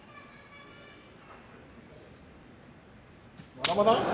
まだまだ。